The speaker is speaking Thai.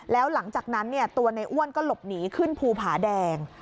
แล้วหลังจากนั้นตัวในอ้วนก็หลบหนีขึ้นภูผาแดง